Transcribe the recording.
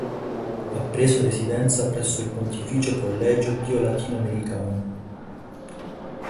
Ha preso residenza presso il Pontificio Collegio Pio Latino Americano.